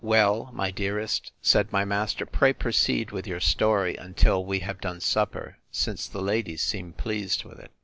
Well, my dearest, said my master, pray proceed with your story until, we have done supper, since the ladies seem pleased with it.